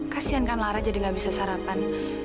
kasian kan lara jadi gak bisa sarapan